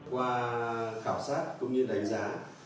qua khảo sát cũng như đánh giá